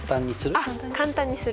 あっ簡単にする。